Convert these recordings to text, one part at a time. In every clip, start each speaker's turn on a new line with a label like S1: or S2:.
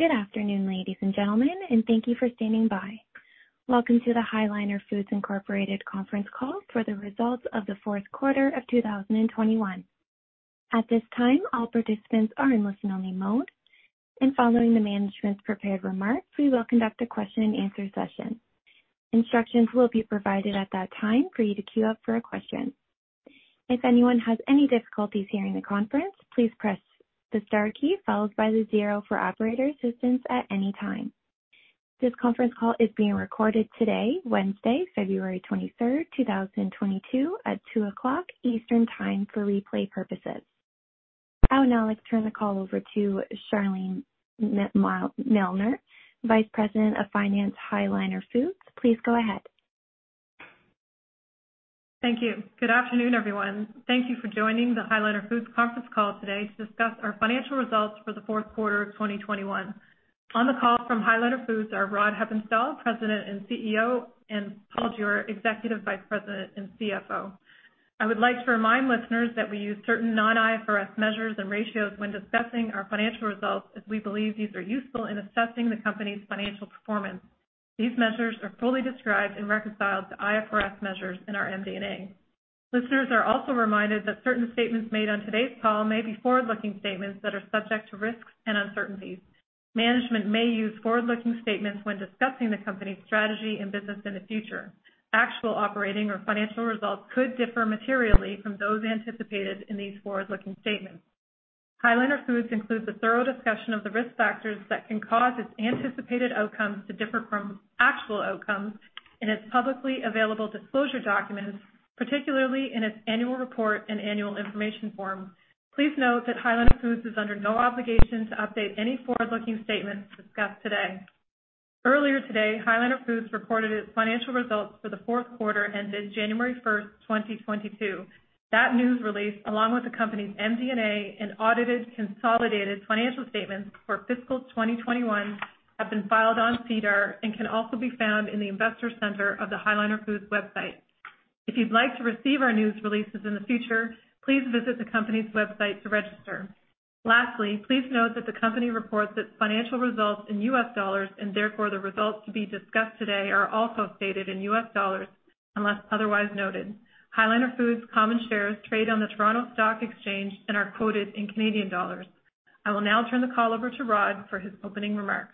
S1: Good afternoon, ladies and gentlemen, and thank you for standing by. Welcome to the High Liner Foods Incorporated conference call for the results of the fourth quarter of 2021. At this time, all participants are in listen only mode, and following the management's prepared remarks, we will conduct a question and answer session. Instructions will be provided at that time for you to queue up for a question. If anyone has any difficulties hearing the conference, please press the star key followed by the zero for operator assistance at any time. This conference call is being recorded today, Wednesday, February 23, 2022 at 2:00 P.M. Eastern Time for replay purposes. I would now like to turn the call over to Kimberly Stephens, Vice President of Finance, High Liner Foods. Please go ahead.
S2: Thank you. Good afternoon, everyone. Thank you for joining the High Liner Foods conference call today to discuss our financial results for the fourth quarter of 2021. On the call from High Liner Foods are Rod Hepponstall, President and CEO, and Paul Jewer, Executive Vice President and CFO. I would like to remind listeners that we use certain non-IFRS measures and ratios when discussing our financial results as we believe these are useful in assessing the company's financial performance. These measures are fully described and reconciled to IFRS measures in our MD&A. Listeners are also reminded that certain statements made on today's call may be forward-looking statements that are subject to risks and uncertainties. Management may use forward-looking statements when discussing the company's strategy and business in the future. Actual operating or financial results could differ materially from those anticipated in these forward-looking statements. High Liner Foods includes a thorough discussion of the risk factors that can cause its anticipated outcomes to differ from actual outcomes in its publicly available disclosure documents, particularly in its annual report and annual information form. Please note that High Liner Foods is under no obligation to update any forward-looking statements discussed today. Earlier today, High Liner Foods reported its financial results for the fourth quarter ended January 1, 2022. That news release, along with the company's MD&A and audited consolidated financial statements for fiscal 2021, have been filed on SEDAR and can also be found in the investor center of the High Liner Foods website. If you'd like to receive our news releases in the future, please visit the company's website to register. Lastly, please note that the company reports its financial results in U.S. dollars and therefore the results to be discussed today are also stated in U.S. dollars unless otherwise noted. High Liner Foods common shares trade on the Toronto Stock Exchange and are quoted in Canadian dollars. I will now turn the call over to Rod for his opening remarks.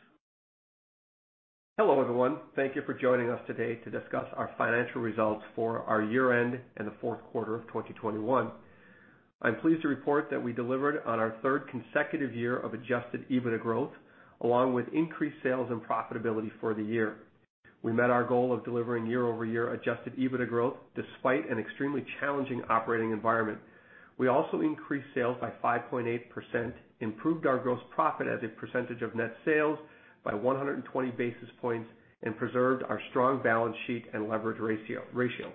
S3: Hello, everyone. Thank you for joining us today to discuss our financial results for our year-end and the fourth quarter of 2021. I'm pleased to report that we delivered on our third consecutive year of adjusted EBITDA growth, along with increased sales and profitability for the year. We met our goal of delivering year-over-year adjusted EBITDA growth despite an extremely challenging operating environment. We also increased sales by 5.8%, improved our gross profit as a percentage of net sales by 120 basis points, and preserved our strong balance sheet and leverage ratio.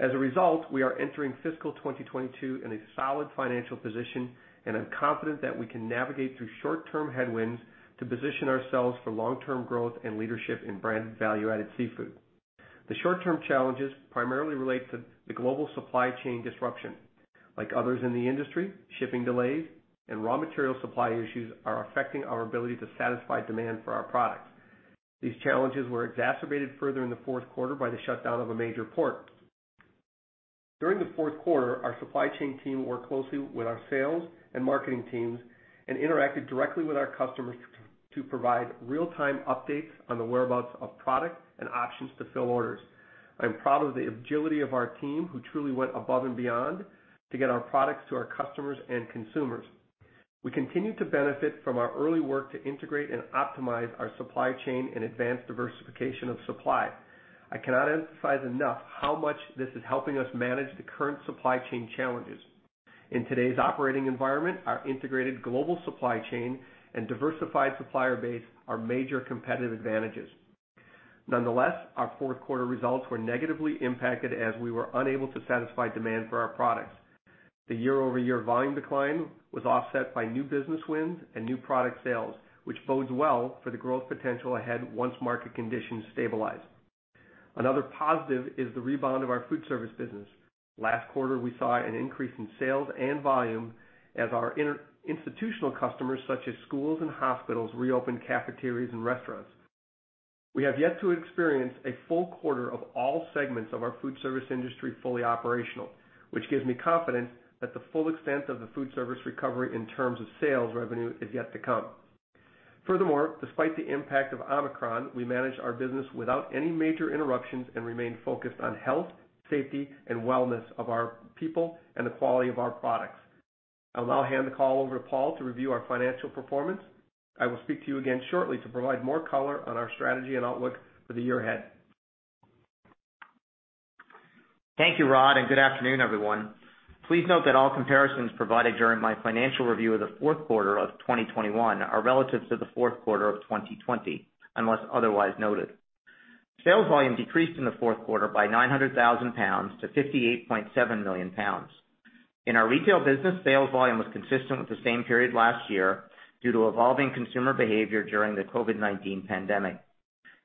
S3: As a result, we are entering fiscal 2022 in a solid financial position, and I'm confident that we can navigate through short-term headwinds to position ourselves for long-term growth and leadership in brand value-added seafood. The short-term challenges primarily relate to the global supply chain disruption. Like others in the industry, shipping delays and raw material supply issues are affecting our ability to satisfy demand for our products. These challenges were exacerbated further in the fourth quarter by the shutdown of a major port. During the fourth quarter, our supply chain team worked closely with our sales and marketing teams and interacted directly with our customers to provide real-time updates on the whereabouts of product and options to fill orders. I am proud of the agility of our team, who truly went above and beyond to get our products to our customers and consumers. We continue to benefit from our early work to integrate and optimize our supply chain and advance diversification of supply. I cannot emphasize enough how much this is helping us manage the current supply chain challenges. In today's operating environment our integrated global supply chain and diversified supplier base are major competitive advantages. Nonetheless, our fourth quarter results were negatively impacted as we were unable to satisfy demand for our products. The year-over-year volume decline was offset by new business wins and new product sales, which bodes well for the growth potential ahead once market conditions stabilize. Another positive is the rebound of our food service business. Last quarter, we saw an increase in sales and volume as our inter-institutional customers, such as schools and hospitals, reopened cafeterias and restaurants. We have yet to experience a full quarter of all segments of our food service industry fully operational, which gives me confidence that the full extent of the food service recovery in terms of sales revenue is yet to come. Furthermore, despite the impact of Omicron, we managed our business without any major interruptions and remained focused on health, safety, and wellness of our people and the quality of our products. I'll now hand the call over to Paul to review our financial performance. I will speak to you again shortly to provide more color on our strategy and outlook for the year ahead.
S4: Thank you, Rod, and good afternoon, everyone. Please note that all comparisons provided during my financial review of the fourth quarter of 2021 are relative to the fourth quarter of 2020, unless otherwise noted. Sales volume decreased in the fourth quarter by 900,000 pounds to 58.7 million pounds. In our retail business, sales volume was consistent with the same period last year due to evolving consumer behavior during the COVID-19 pandemic.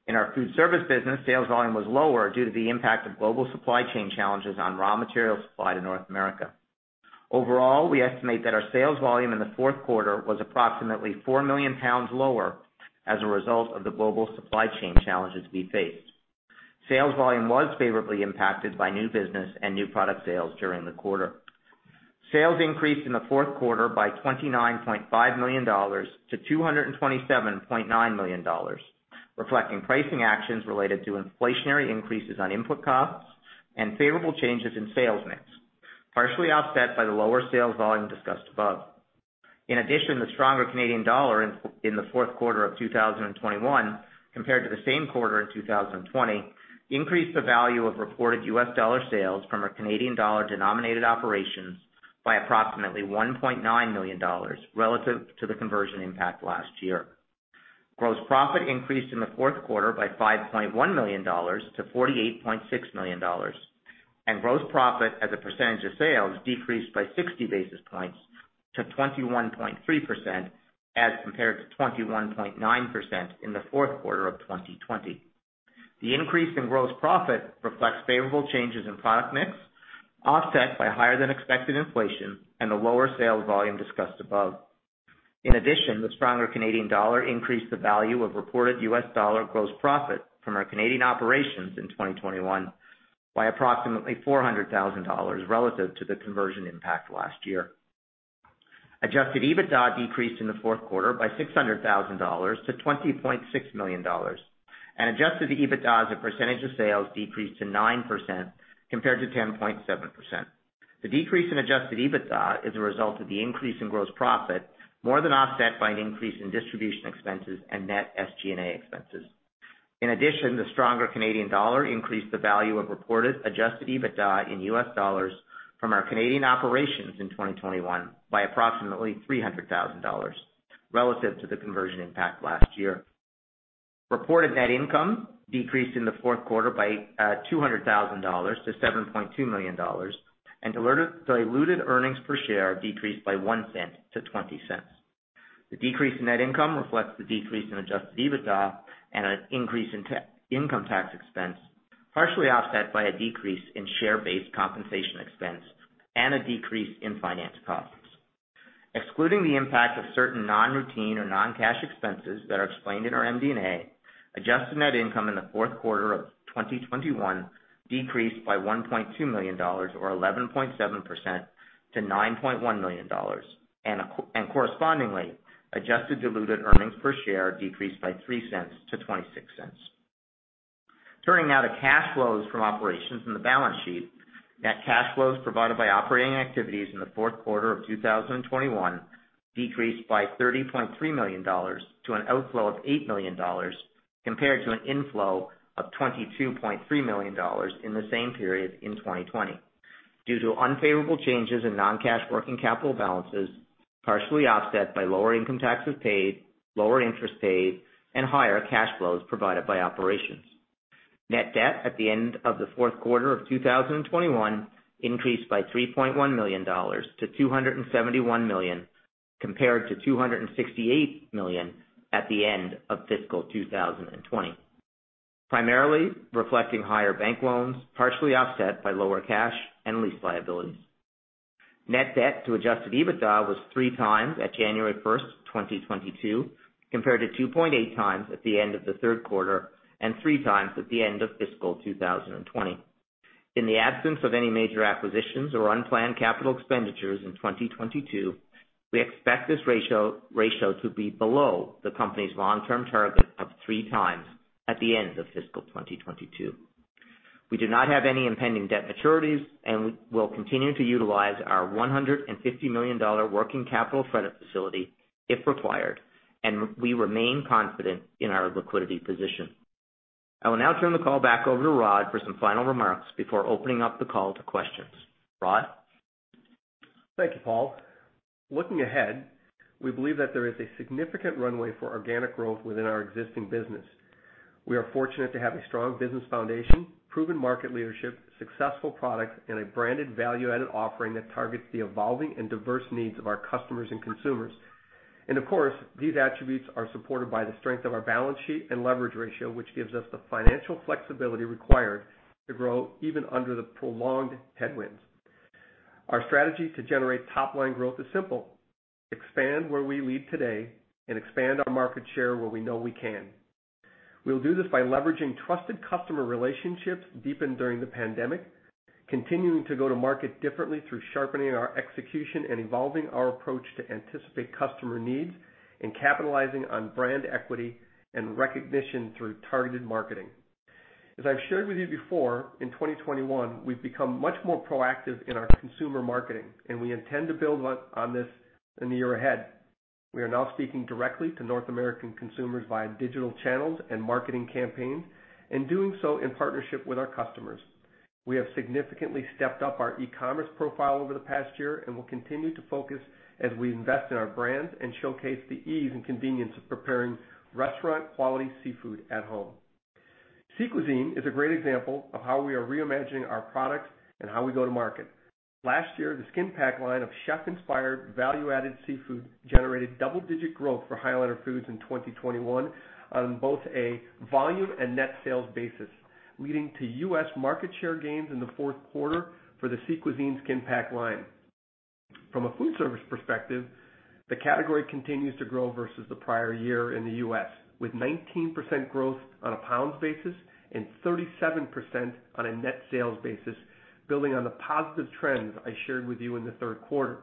S4: In our food service business, sales volume was lower due to the impact of global supply chain challenges on raw material supply to North America. Overall, we estimate that our sales volume in the fourth quarter was approximately 4 million pounds lower as a result of the global supply chain challenges we faced. Sales volume was favorably impacted by new business and new product sales during the quarter. Sales increased in the fourth quarter by 29.5 million dollars to 227.9 million dollars, reflecting pricing actions related to inflationary increases on input costs and favorable changes in sales mix, partially offset by the lower sales volume discussed above. In addition, the stronger Canadian dollar in the fourth quarter of 2021 compared to the same quarter in 2020 increased the value of reported U.S. dollar sales from our Canadian dollar-denominated operations by approximately $1.9 million relative to the conversion impact last year. Gross profit increased in the fourth quarter by $5.1 million to $48.6 million, and gross profit as a percentage of sales decreased by 60 basis points to 21.3% as compared to 21.9% in the fourth quarter of 2020. The increase in gross profit reflects favorable changes in product mix, offset by higher than expected inflation and the lower sales volume discussed above. In addition, the stronger Canadian dollar increased the value of reported U.S. dollar gross profit from our Canadian operations in 2021 by approximately $400,000 relative to the conversion impact last year. Adjusted EBITDA decreased in the fourth quarter by $600,000 to $20.6 million, and adjusted EBITDA as a percentage of sales decreased to 9% compared to 10.7%. The decrease in adjusted EBITDA is a result of the increase in gross profit, more than offset by an increase in distribution expenses and net SG&A expenses. In addition, the stronger Canadian dollar increased the value of reported adjusted EBITDA in U.S. dollars from our Canadian operations in 2021 by approximately $300,000 relative to the conversion impact last year. Reported net income decreased in the fourth quarter by $200,000 to $7.2 million, and diluted earnings per share decreased by $0.01 to $0.20. The decrease in net income reflects the decrease in adjusted EBITDA and an increase in income tax expense, partially offset by a decrease in share-based compensation expense and a decrease in finance costs. Excluding the impact of certain non-routine or non-cash expenses that are explained in our MD&A, adjusted net income in the fourth quarter of 2021 decreased by $1.2 million or 11.7% to $9.1 million, and correspondingly, adjusted diluted earnings per share decreased by $0.03 to $0.26. Turning now to cash flows from operations in the balance sheet. Net cash flows provided by operating activities in the fourth quarter of 2021 decreased by $30.3 million to an outflow of $8 million compared to an inflow of $22.3 million in the same period in 2020. Due to unfavorable changes in non-cash working capital balances, partially offset by lower income taxes paid, lower interest paid, and higher cash flows provided by operations. Net debt at the end of the fourth quarter of 2021 increased by $3.1 million to $271 million, compared to $268 million at the end of fiscal 2020. Primarily reflecting higher bank loans, partially offset by lower cash and lease liabilities. Net debt to adjusted EBITDA was 3x at January 1, 2022, compared to 2.8 times at the end of the third quarter and 3x at the end of fiscal 2020. In the absence of any major acquisitions or unplanned capital expenditures in 2022, we expect this ratio to be below the company's long-term target of 3x at the end of fiscal 2022. We do not have any impending debt maturities, and we will continue to utilize our 150 million dollar working capital credit facility if required, and we remain confident in our liquidity position. I will now turn the call back over to Rod for some final remarks before opening up the call to questions. Rod?
S3: Thank you, Paul. Looking ahead, we believe that there is a significant runway for organic growth within our existing business. We are fortunate to have a strong business foundation, proven market leadership, successful products, and a branded value-added offering that targets the evolving and diverse needs of our customers and consumers. Of course, these attributes are supported by the strength of our balance sheet and leverage ratio, which gives us the financial flexibility required to grow even under the prolonged headwinds. Our strategy to generate top-line growth is simple. Expand where we lead today and expand our market share where we know we can. We'll do this by leveraging trusted customer relationships deepened during the pandemic, continuing to go to market differently through sharpening our execution and evolving our approach to anticipate customer needs, and capitalizing on brand equity and recognition through targeted marketing. As I've shared with you before, in 2021, we've become much more proactive in our consumer marketing, and we intend to build on this in the year ahead. We are now speaking directly to North American consumers via digital channels and marketing campaigns, and doing so in partnership with our customers. We have significantly stepped up our e-commerce profile over the past year and will continue to focus as we invest in our brand and showcase the ease and convenience of preparing restaurant-quality seafood at home. Sea Cuisine is a great example of how we are reimagining our products and how we go to market. Last year, the skin pack line of chef-inspired value-added seafood generated double-digit growth for High Liner Foods in 2021 on both a volume and net sales basis, leading to U.S. market share gains in the fourth quarter for the Sea Cuisine skin pack line. From a food service perspective, the category continues to grow versus the prior year in the U.S., with 19% growth on a pounds basis and 37% on a net sales basis, building on the positive trends I shared with you in the third quarter.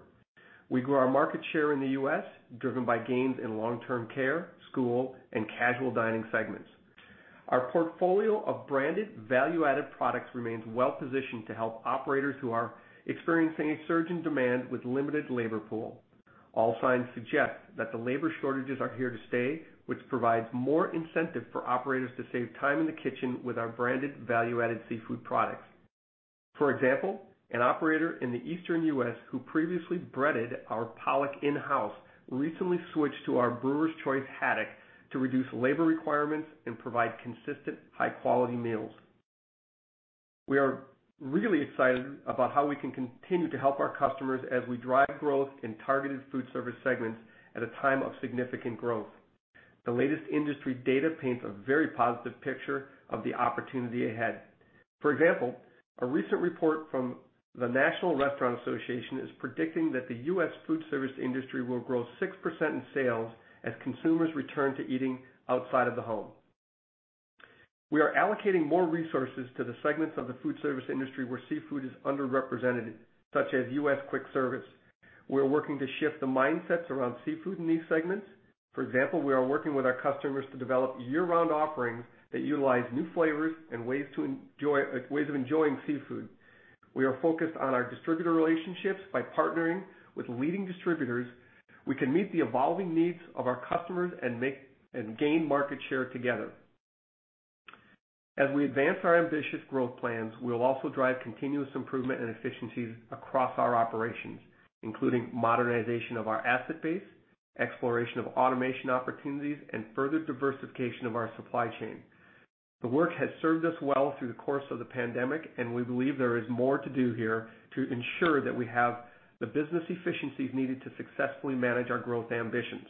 S3: We grew our market share in the U.S., driven by gains in long-term care, school, and casual dining segments. Our portfolio of branded value-added products remains well positioned to help operators who are experiencing a surge in demand with limited labor pool. All signs suggest that the labor shortages are here to stay, which provides more incentive for operators to save time in the kitchen with our branded value-added seafood products. For example, an operator in the Eastern U.S. who previously breaded our pollock in-house recently switched to our Brewer's Choice haddock to reduce labor requirements and provide consistent high-quality meals. We are really excited about how we can continue to help our customers as we drive growth in targeted food service segments at a time of significant growth. The latest industry data paints a very positive picture of the opportunity ahead. For example, a recent report from the National Restaurant Association is predicting that the U.S. food service industry will grow 6% in sales as consumers return to eating outside of the home. We are allocating more resources to the segments of the food service industry where seafood is underrepresented, such as U.S. quick service. We're working to shift the mindsets around seafood in these segments. For example, we are working with our customers to develop year-round offerings that utilize new flavors and ways of enjoying seafood. We are focused on our distributor relationships by partnering with leading distributors. We can meet the evolving needs of our customers and gain market share together. As we advance our ambitious growth plans, we will also drive continuous improvement and efficiencies across our operations, including modernization of our asset base, exploration of automation opportunities, and further diversification of our supply chain. The work has served us well through the course of the pandemic, and we believe there is more to do here to ensure that we have the business efficiencies needed to successfully manage our growth ambitions.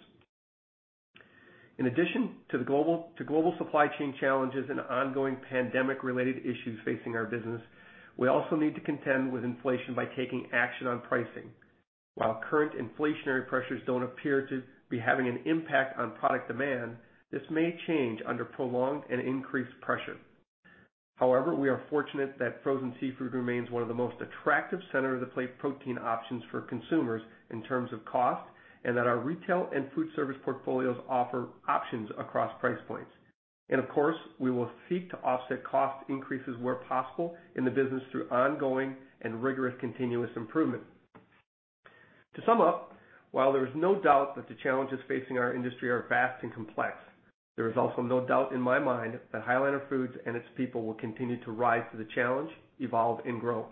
S3: In addition to global supply chain challenges and ongoing pandemic-related issues facing our business, we also need to contend with inflation by taking action on pricing. While current inflationary pressures don't appear to be having an impact on product demand, this may change under prolonged and increased pressure. However, we are fortunate that frozen seafood remains one of the most attractive center-of-the-plate protein options for consumers in terms of cost, and that our retail and food service portfolios offer options across price points. Of course, we will seek to offset cost increases where possible in the business through ongoing and rigorous continuous improvement. To sum up, while there is no doubt that the challenges facing our industry are vast and complex, there is also no doubt in my mind that High Liner Foods and its people will continue to rise to the challenge, evolve, and grow.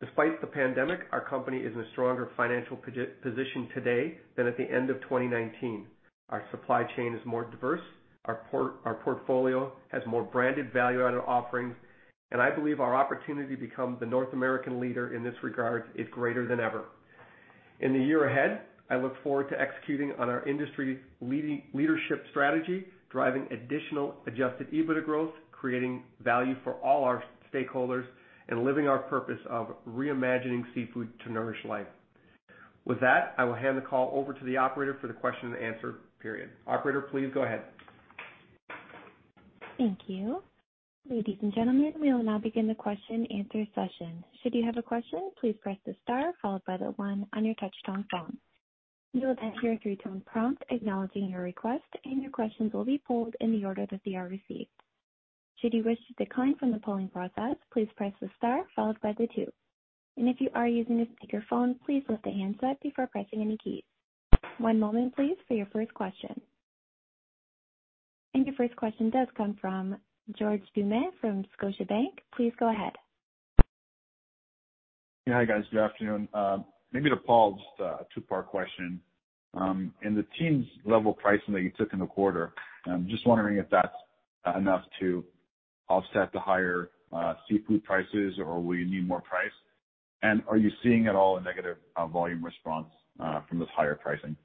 S3: Despite the pandemic, our company is in a stronger financial position today than at the end of 2019. Our supply chain is more diverse, our portfolio has more branded value-added offerings, and I believe our opportunity to become the North American leader in this regard is greater than ever. In the year ahead, I look forward to executing on our industry leadership strategy, driving additional adjusted EBITDA growth, creating value for all our stakeholders, and living our purpose of reimagining seafood to nourish life. With that, I will hand the call over to the operator for the question and answer period. Operator, please go ahead.
S1: Thank you. Ladies and gentlemen, we will now begin the question-answer session. Should you have a question, please press the star followed by the one on your touchtone phone. You'll then hear a three-tone prompt acknowledging your request, and your questions will be queued in the order that they are received. Should you wish to decline from the polling process, please press the star followed by the two. If you are using a speakerphone, please lift the handset before pressing any keys. One moment, please, for your first question. Your first question does come from George Doumet from Scotiabank. Please go ahead.
S5: Yeah. Hi, guys. Good afternoon. Maybe to Paul, just a two-part question. In the team's level pricing that you took in the quarter, just wondering if that's enough to offset the higher seafood prices or will you need more pricing? Are you seeing at all a negative volume response from this higher pricing?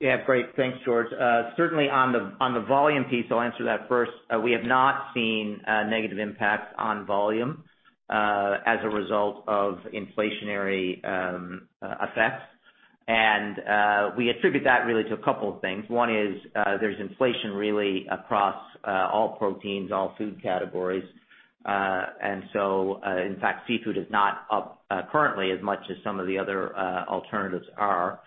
S4: Yeah. Great. Thanks, George. Certainly on the volume piece, I'll answer that first. We have not seen a negative impact on volume as a result of inflationary effects. We attribute that really to a couple of things. One is, there's inflation really across all proteins, all food categories. In fact, seafood is not up currently as much as some of the other alternatives are.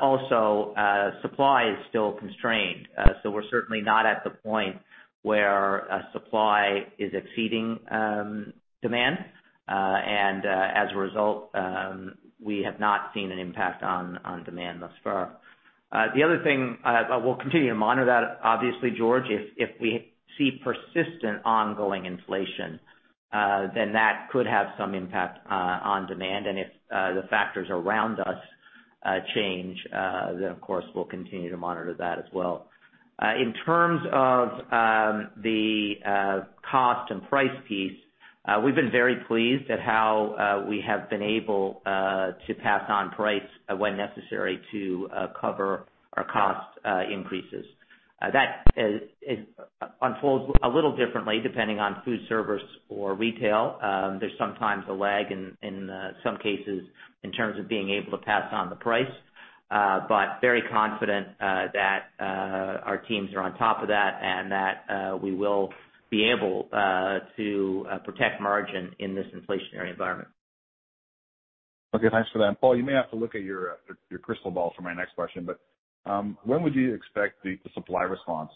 S4: Also, supply is still constrained. We're certainly not at the point where supply is exceeding demand. As a result, we have not seen an impact on demand thus far. The other thing, we'll continue to monitor that, obviously, George. If we see persistent ongoing inflation, then that could have some impact on demand. If the factors around us Of course, we'll continue to monitor that as well. In terms of the cost and price piece, we've been very pleased at how we have been able to pass on price when necessary to cover our cost increases. That unfolds a little differently depending on food service or retail. There's sometimes a lag in some cases in terms of being able to pass on the price. Very confident that our teams are on top of that and that we will be able to protect margin in this inflationary environment.
S5: Okay, thanks for that. Paul, you may have to look at your crystal ball for my next question, but when would you expect the supply response,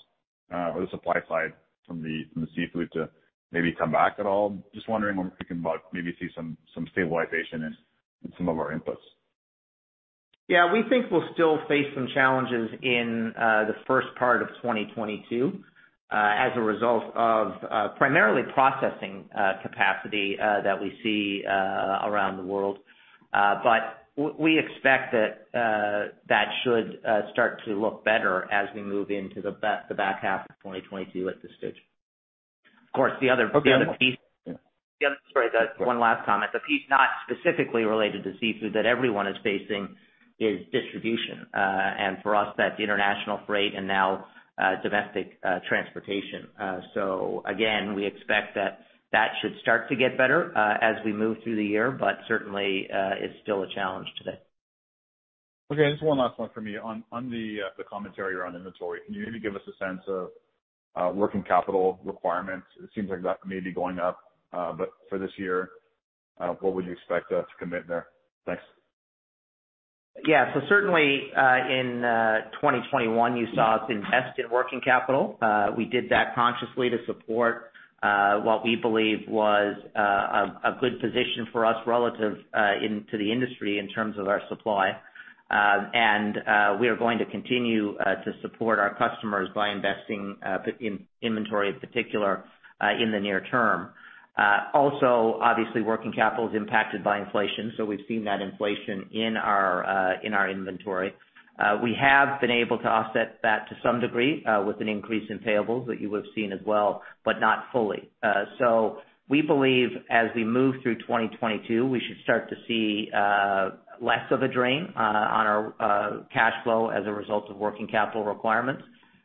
S5: or the supply side from the seafood to maybe come back at all? Just wondering when we can maybe see some stabilization in some of our inputs.
S4: Yeah, we think we'll still face some challenges in the first part of 2022 as a result of primarily processing capacity that we see around the world. We expect that should start to look better as we move into the back half of 2022 at this stage. Of course, the other piece.
S5: Okay.
S4: Sorry, one last comment. The piece not specifically related to seafood that everyone is facing is distribution. For us, that's international freight and now, domestic transportation. Again, we expect that should start to get better, as we move through the year, but certainly, it's still a challenge today.
S5: Okay. Just one last one for me. On the commentary around inventory, can you maybe give us a sense of working capital requirements? It seems like that may be going up, but for this year, what would you expect to commit there? Thanks.
S4: Yeah. Certainly, in 2021, you saw us invest in working capital. We did that consciously to support what we believe was a good position for us relative to the industry in terms of our supply. We are going to continue to support our customers by investing in inventory in particular in the near term. Also, obviously, working capital is impacted by inflation, so we've seen that inflation in our inventory. We have been able to offset that to some degree with an increase in payables that you would have seen as well, but not fully. So we believe as we move through 2022, we should start to see less of a drain on our cash flow as a result of working capital requirements,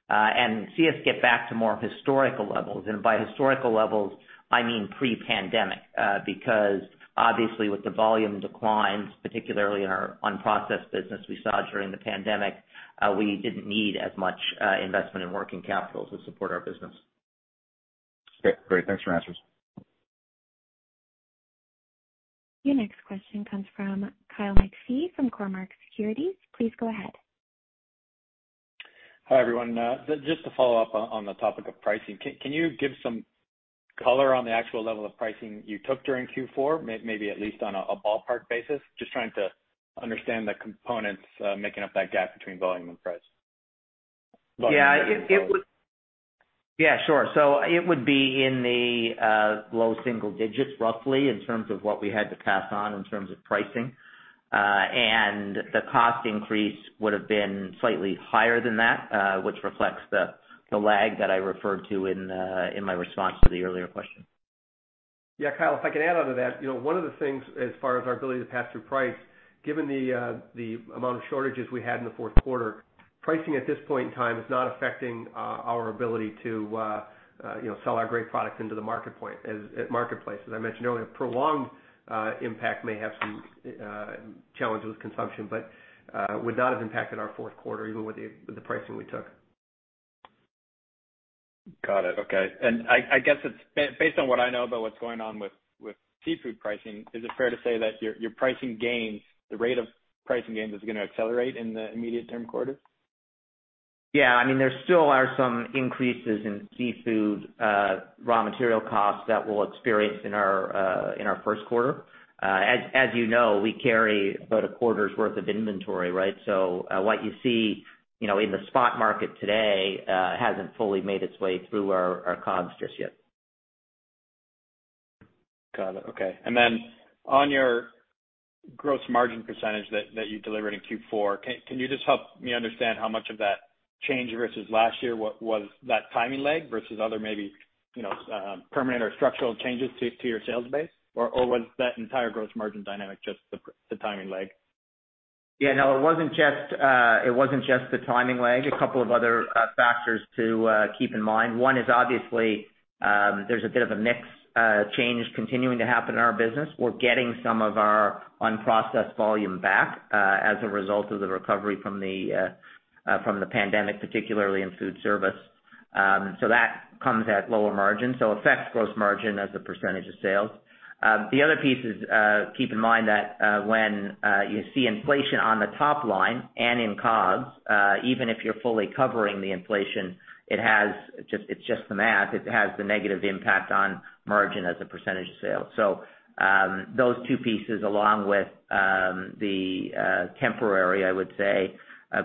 S4: and see us get back to more historical levels. By historical levels, I mean pre-pandemic, because obviously with the volume declines, particularly in our unprocessed business we saw during the pandemic, we didn't need as much investment in working capital to support our business.
S5: Okay, great. Thanks for the answers.
S1: Your next question comes from Kyle McPhee from Cormark Securities. Please go ahead.
S6: Hi, everyone. Just to follow up on the topic of pricing. Can you give some color on the actual level of pricing you took during Q4, maybe at least on a ballpark basis? Just trying to understand the components making up that gap between volume and price.
S4: Yeah, it would.
S6: Volume.
S4: Yeah, sure. It would be in the low single digits, roughly, in terms of what we had to pass on in terms of pricing. The cost increase would have been slightly higher than that, which reflects the lag that I referred to in my response to the earlier question.
S3: Yeah, Kyle, if I can add on to that. You know, one of the things as far as our ability to pass through price, given the amount of shortages we had in the fourth quarter, pricing at this point in time is not affecting our ability to sell our great products into the marketplace. As I mentioned earlier, prolonged impact may have some challenges with consumption, but would not have impacted our fourth quarter even with the pricing we took.
S6: Got it. Okay. I guess it's based on what I know about what's going on with seafood pricing, is it fair to say that your pricing gains, the rate of pricing gains is gonna accelerate in the immediate term quarters?
S4: Yeah, I mean, there still are some increases in seafood raw material costs that we'll experience in our first quarter. As you know, we carry about a quarter's worth of inventory, right? What you see, you know, in the spot market today hasn't fully made its way through our COGS just yet.
S6: Got it. Okay. On your gross margin percentage that you delivered in Q4, can you just help me understand how much of that change versus last year was that timing lag versus other maybe, you know, permanent or structural changes to your sales base? Or was that entire gross margin dynamic just the timing lag?
S4: Yeah, no, it wasn't just the timing lag. A couple of other factors to keep in mind. One is obviously, there's a bit of a mix change continuing to happen in our business. We're getting some of our unprocessed volume back as a result of the recovery from the pandemic, particularly in food service. So that comes at lower margin, so affects gross margin as a percentage of sales. The other piece is, keep in mind that, when you see inflation on the top line and in COGS, even if you're fully covering the inflation, it has just, it's just the math. It has the negative impact on margin as a percentage of sales. Those two pieces along with the temporary, I would say,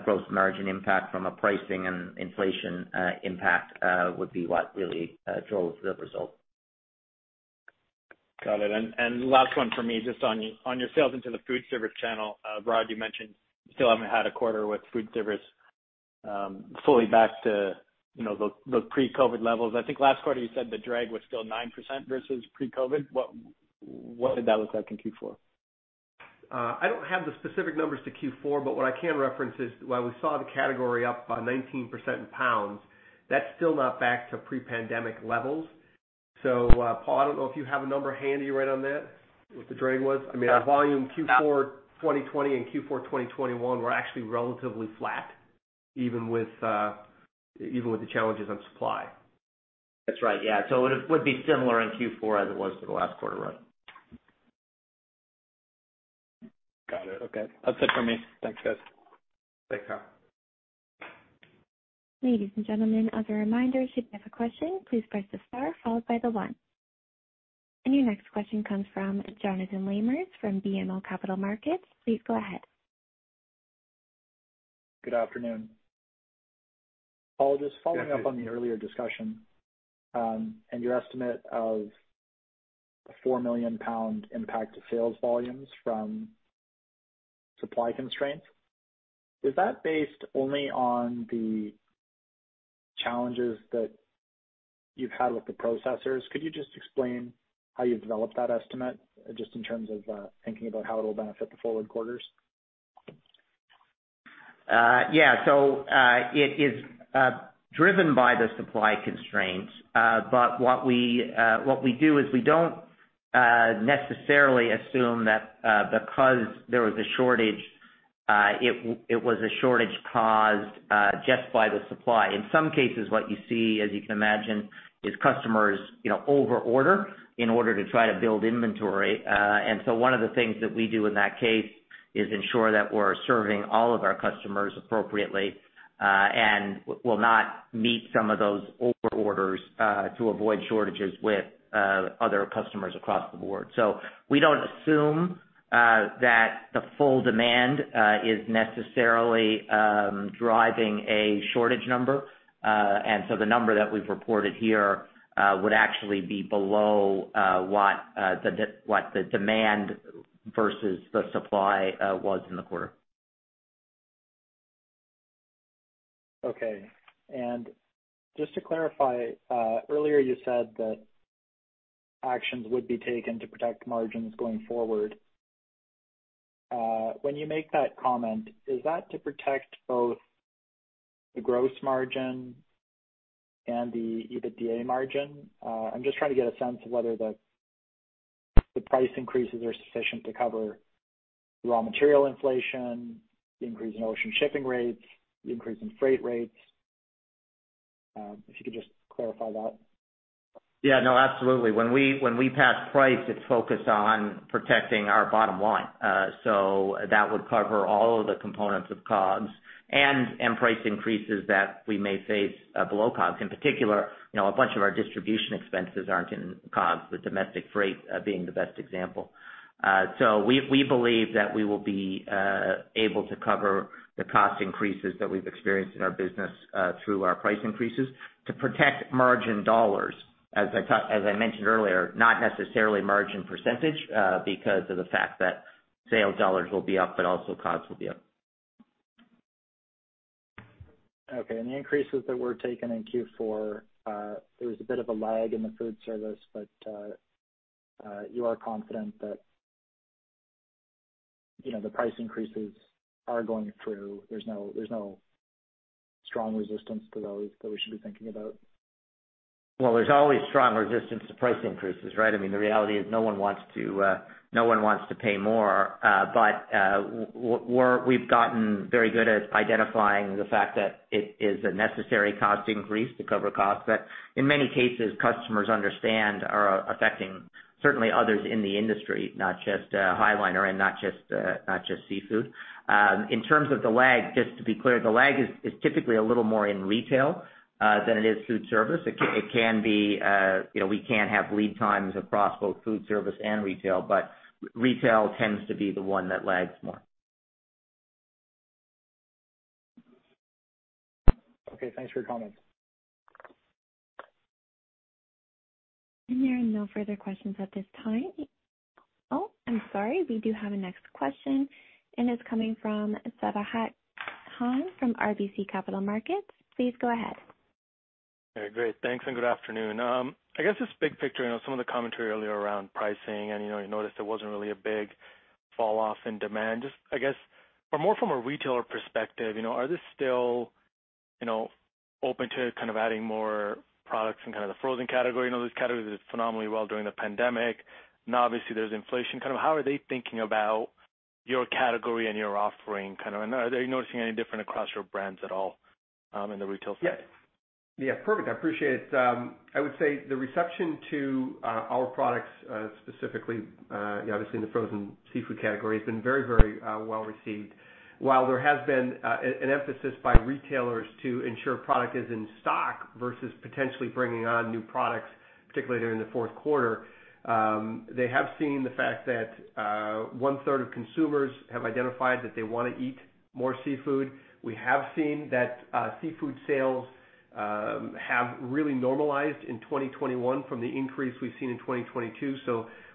S4: gross margin impact from a pricing and inflation impact would be what really drove the result.
S6: Got it. Last one for me, just on your sales into the food service channel. Rod, you mentioned you still haven't had a quarter with food service fully back to, you know, the pre-COVID levels. I think last quarter you said the drag was still 9% versus pre-COVID. What did that look like in Q4?
S3: I don't have the specific numbers to Q4, but what I can reference is while we saw the category up by 19% in pounds, that's still not back to pre-pandemic levels. Paul, I don't know if you have a number handy right on that, what the drag was. I mean, our volume Q4 2020 and Q4 2021 were actually relatively flat even with the challenges on supply.
S4: That's right, yeah. It would be similar in Q4 as it was for the last quarter, Rod.
S6: Got it. Okay. That's it for me. Thanks, guys.
S3: Thanks, Kyle.
S1: Ladies and gentlemen, as a reminder, if you do have a question, please press the star followed by the one. Your next question comes from Jonathan Lamers from BMO Capital Markets. Please go ahead.
S7: Good afternoon. Paul, just following up on the earlier discussion, and your estimate of the 4 million pound impact to sales volumes from supply constraints. Is that based only on the challenges that you've had with the processors? Could you just explain how you've developed that estimate, just in terms of thinking about how it'll benefit the forward quarters?
S4: Yeah. It is driven by the supply constraints. What we do is we don't necessarily assume that, because there was a shortage, it was a shortage caused just by the supply. In some cases, what you see, as you can imagine, is customers, you know, over-order in order to try to build inventory. One of the things that we do in that case is ensure that we're serving all of our customers appropriately, and will not meet some of those over orders, to avoid shortages with other customers across the board. We don't assume that the full demand is necessarily driving a shortage number. The number that we've reported here would actually be below what the demand versus the supply was in the quarter.
S7: Okay. Just to clarify, earlier you said that actions would be taken to protect margins going forward. When you make that comment, is that to protect both the gross margin and the EBITDA margin? I'm just trying to get a sense of whether the price increases are sufficient to cover the raw material inflation, the increase in ocean shipping rates, the increase in freight rates. If you could just clarify that.
S4: Yeah, no, absolutely. When we pass price, it's focused on protecting our bottom line. So that would cover all of the components of COGS and price increases that we may face below COGS. In particular, you know, a bunch of our distribution expenses aren't in COGS, with domestic freight being the best example. So we believe that we will be able to cover the cost increases that we've experienced in our business through our price increases to protect margin dollars, as I mentioned earlier, not necessarily margin percentage because of the fact that sales dollars will be up, but also COGS will be up.
S7: Okay. The increases that were taken in Q4, there was a bit of a lag in the food service, but you are confident that, you know, the price increases are going through. There's no strong resistance to those that we should be thinking about?
S4: Well, there's always strong resistance to price increases, right? I mean, the reality is no one wants to pay more. We've gotten very good at identifying the fact that it is a necessary cost increase to cover costs, but in many cases, customers understand that these are affecting certainly others in the industry, not just High Liner and not just seafood. In terms of the lag, just to be clear, the lag is typically a little more in retail than it is in food service. It can be, you know, we can have lead times across both food service and retail, but retail tends to be the one that lags more.
S7: Okay, thanks for your comments.
S1: There are no further questions at this time. Oh, I'm sorry. We do have a next question, and it's coming from Sabahat Khan from RBC Capital Markets. Please go ahead.
S8: All right, great. Thanks, and good afternoon. I guess just big picture, you know, some of the commentary earlier around pricing and, you know, you noticed there wasn't really a big fall off in demand. Just, I guess, but more from a retailer perspective, you know, are they still, you know, open to kind of adding more products in kind of the frozen category? I know this category did phenomenally well during the pandemic. Now obviously, there's inflation. Kind of how are they thinking about your category and your offering, kind of? And are you noticing any different across your brands at all, in the retail space?
S3: Yeah. Perfect. I appreciate it. I would say the reception to our products, specifically, you know, obviously in the frozen seafood category, has been very well received. While there has been an emphasis by retailers to ensure product is in stock versus potentially bringing on new products, particularly during the fourth quarter, they have seen the fact that one-third of consumers have identified that they wanna eat more seafood. We have seen that seafood sales have really normalized in 2021 from the increase we've seen in 2022.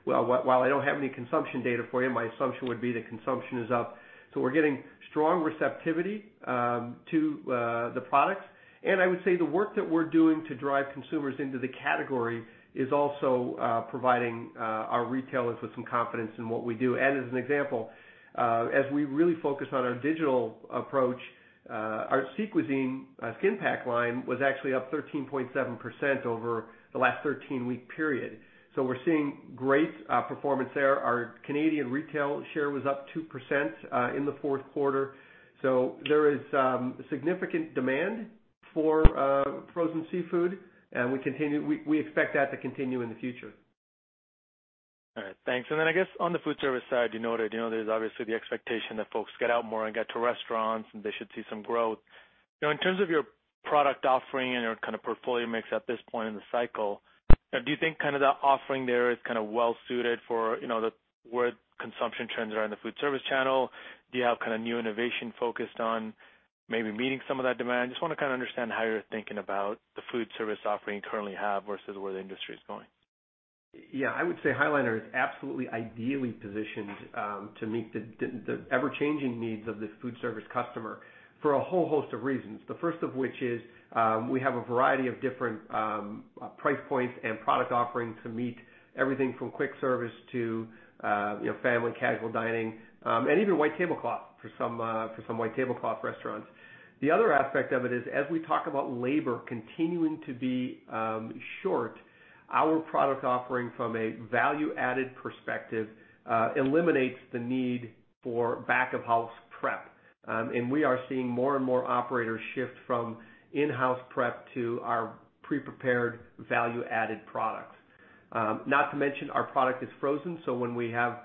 S3: While I don't have any consumption data for you, my assumption would be that consumption is up. We're getting strong receptivity to the products. I would say the work that we're doing to drive consumers into the category is also providing our retailers with some confidence in what we do. As an example, as we really focus on our digital approach, our Sea Cuisine skin pack line was actually up 13.7% over the last 13-week period. We're seeing great performance there. Our Canadian retail share was up 2% in the fourth quarter. There is significant demand for frozen seafood, and we expect that to continue in the future.
S8: All right. Thanks. Then I guess on the food service side, you noted, you know, there's obviously the expectation that folks get out more and get to restaurants, and they should see some growth. You know, in terms of your product offering and your kinda portfolio mix at this point in the cycle, do you think kinda the offering there is kinda well suited for, you know, the, where consumption trends are in the food service channel? Do you have kinda new innovation focused on maybe meeting some of that demand? Just wanna kinda understand how you're thinking about the food service offering you currently have versus where the industry is going.
S3: Yeah. I would say High Liner Foods is absolutely ideally positioned to meet the ever-changing needs of the food service customer for a whole host of reasons, the first of which is we have a variety of different price points and product offerings to meet everything from quick service to you know, family casual dining and even white tablecloth for some white tablecloth restaurants. The other aspect of it is, as we talk about labor continuing to be short, our product offering from a value-added perspective eliminates the need for back-of-house prep. We are seeing more and more operators shift from in-house prep to our pre-prepared value-added products. Not to mention our product is frozen, so when we have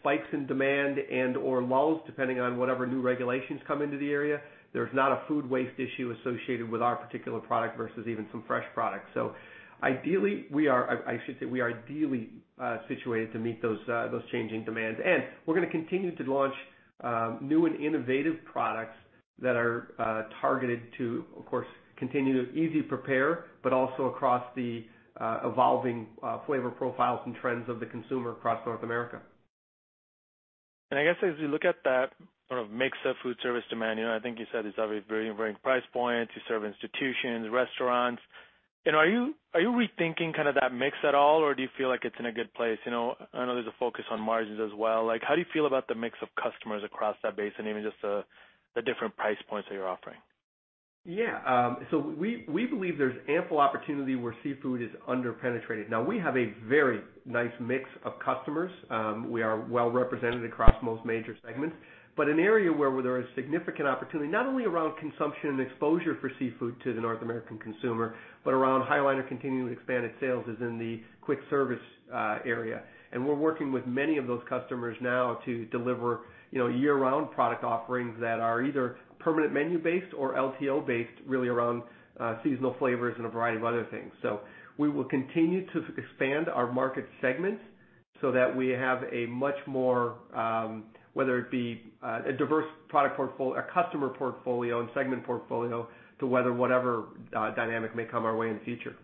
S3: spikes in demand and/or lulls, depending on whatever new regulations come into the area, there's not a food waste issue associated with our particular product versus even some fresh products. Ideally, we are situated to meet those changing demands. We're gonna continue to launch new and innovative products that are targeted to, of course, continue to easy to prepare, but also across the evolving flavor profiles and trends of the consumer across North America.
S8: I guess as you look at that sort of mix of food service demand, you know, I think you said it's obviously varying price points. You serve institutions, restaurants. You know, are you rethinking kinda that mix at all, or do you feel like it's in a good place? You know, I know there's a focus on margins as well. Like, how do you feel about the mix of customers across that base and even just the different price points that you're offering?
S3: Yeah. We believe there's ample opportunity where seafood is under-penetrated. Now, we have a very nice mix of customers. We are well represented across most major segments. But an area where there is significant opportunity, not only around consumption and exposure for seafood to the North American consumer, but around High Liner continuing to expand its sales, is in the quick service area. We're working with many of those customers now to deliver, you know, year-round product offerings that are either permanent menu based or LTO based, really around seasonal flavors and a variety of other things. We will continue to expand our market segments so that we have a much more, whether it be a diverse customer portfolio and segment portfolio to weather whatever dynamic may come our way in the future.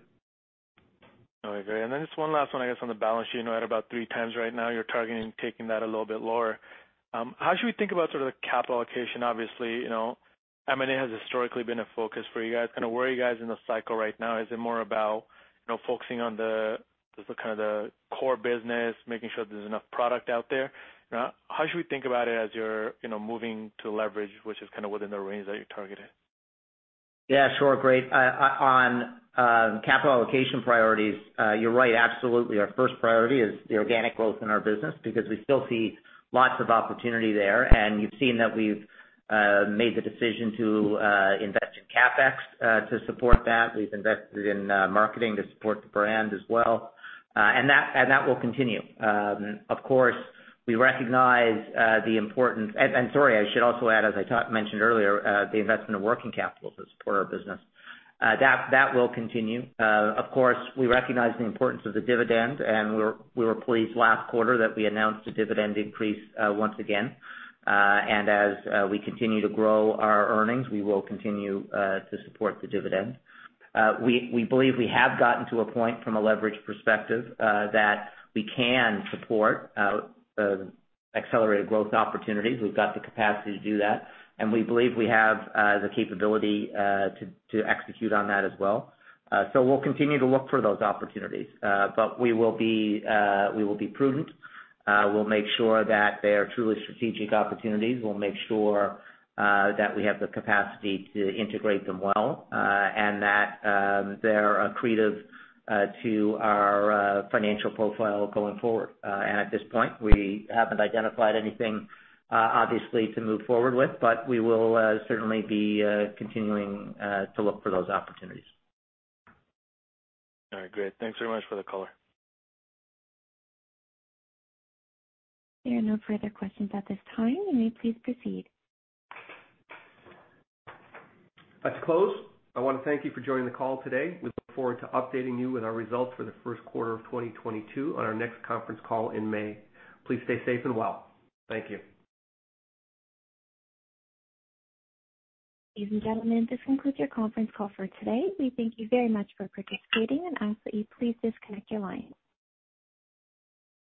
S8: No, I agree. Just one last one, I guess, on the balance sheet. You know, at about three times right now, you're targeting taking that a little bit lower. How should we think about sort of the capital allocation? Obviously, you know, M&A has historically been a focus for you guys. Kinda where are you guys in the cycle right now? Is it more about, you know, focusing on the, just the kinda the core business, making sure there's enough product out there? You know, how should we think about it as you're, you know, moving to leverage, which is kinda within the range that you're targeting?
S4: Yeah, sure. Great. On capital allocation priorities, you're right, absolutely. Our first priority is the organic growth in our business because we still see lots of opportunity there, and you've seen that we've made the decision to invest in CapEx to support that. We've invested in marketing to support the brand as well. And that will continue. Of course, we recognize the importance. Sorry, I should also add, as I mentioned earlier, the investment of working capital to support our business. That will continue. Of course, we recognize the importance of the dividend, and we were pleased last quarter that we announced a dividend increase once again. As we continue to grow our earnings, we will continue to support the dividend. We believe we have gotten to a point from a leverage perspective that we can support accelerated growth opportunities. We've got the capacity to do that, and we believe we have the capability to execute on that as well. We'll continue to look for those opportunities. We will be prudent. We'll make sure that they are truly strategic opportunities. We'll make sure that we have the capacity to integrate them well, and that they're accretive to our financial profile going forward. At this point, we haven't identified anything obviously to move forward with, but we will certainly be continuing to look for those opportunities.
S8: All right. Great. Thanks very much for the color.
S1: There are no further questions at this time. You may please proceed.
S3: Let's close. I wanna thank you for joining the call today. We look forward to updating you with our results for the first quarter of 2022 on our next conference call in May. Please stay safe and well. Thank you.
S1: Ladies and gentlemen, this concludes your conference call for today. We thank you very much for participating and ask that you please disconnect your line.